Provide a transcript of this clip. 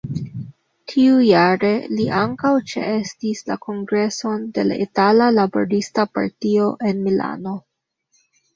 Tiujare li ankaŭ ĉeestis la kongreson de la Itala Laborista Partio en Milano.